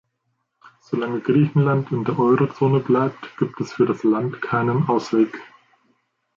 Solange Griechenland in der Eurozone bleibt, gibt es für das Land keinen Ausweg.